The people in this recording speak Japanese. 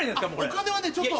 お金はねちょっと。